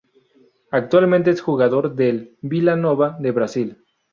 Actualmente es jugador del Vila Nova de Brasil.